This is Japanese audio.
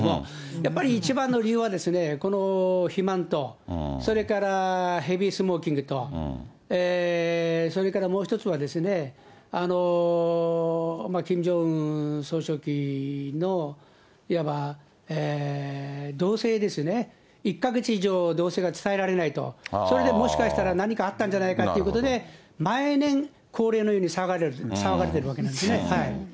やっぱり一番の理由は、この肥満と、それからヘビースモーキングと、それからもう１つはですね、キム・ジョンウン総書記の、いわば動静ですね、１か月以上動静が伝えられないと、それでもしかしたら何かあったんじゃないかということで、毎年、恒例のように騒がれてるわけなんですね。